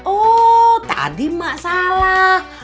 oh tadi mak salah